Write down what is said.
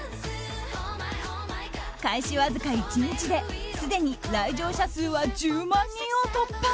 開始わずか１日ですでに来場者数は１０万人を突破。